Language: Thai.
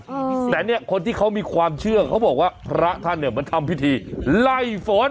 อืมแต่เนี้ยคนที่เขามีความเชื่อเขาบอกว่าพระท่านเนี่ยมันทำพิธีไล่ฝน